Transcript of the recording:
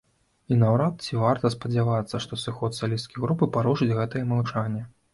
І наўрад ці варта спадзявацца, што сыход салісткі групы парушыць гэтае маўчанне.